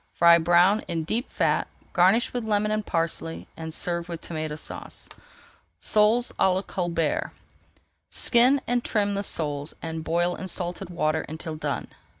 Fry brown in deep fat, garnish with lemon and parsley, and serve with Tomato Sauce. [Page 385] SOLES À LA COLBERT Skin and trim the soles and boil in salted water until done.